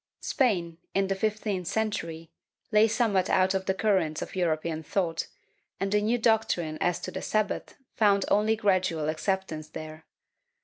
Spain, in the fifteenth century, lay somewhat out of the currents of European thought, and the new doctrine as to the Sabbat found only gradual acceptance there.